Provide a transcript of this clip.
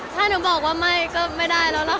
ถ้าหนูบอกว่าไม่ก็ไม่ได้แล้วล่ะ